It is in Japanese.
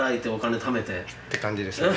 って感じですね。